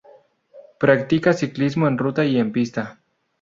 Practica ciclismo en ruta y en pista.